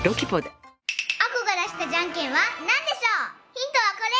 ヒントはこれ！